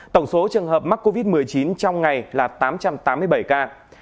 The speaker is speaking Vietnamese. tổng số trường hợp mắc covid một mươi chín trong ngày là tám trăm tám mươi bảy ca